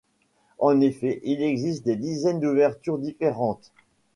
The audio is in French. En effet, il existe des dizaines d'ouvertures différentes.